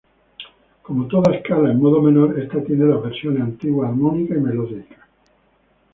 Como toda escala en modo menor, esta tiene las versiones: antigua, armónica y melódica.